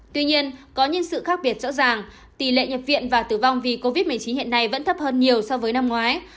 tuy nhiên có những sự khác biệt rõ ràng tỷ lệ nhập viện và tử vong vì covid một mươi chín hiện nay vẫn thấp hơn nhiều so với năm ngoái